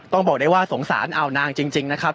บอกได้ว่าสงสารอาวนางจริงนะครับ